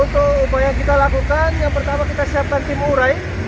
untuk upaya yang kita lakukan yang pertama kita siapkan tim urai